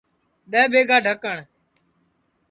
دؔے ٻیگا ڈھکٹؔ